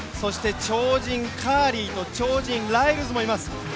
超人・カーリーと超人・ライルズもいます。